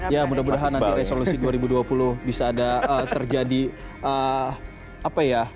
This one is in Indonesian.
ya mudah mudahan nanti resolusi dua ribu dua puluh bisa ada terjadi apa ya